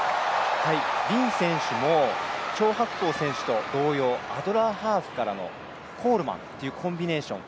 林選手も張博恒選手と同様、アドラーハーフからコールマンっていうコンビネーション。